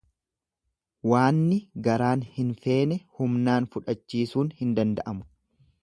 Waanni garaan hin feene humnaan fudhachiisuun hin danda'amu.